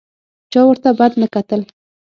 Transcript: چا ورته بد نه کتل.